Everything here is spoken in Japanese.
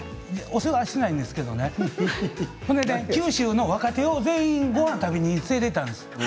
お世話はしていないんですけれども九州の若手を全員ごはんを食べに連れて行ったんです。